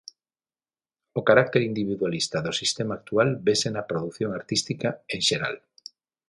O carácter individualista do sistema actual vese na produción artística en xeral.